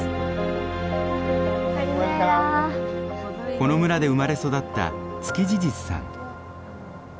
この村で生まれ育ったツキジジスさん。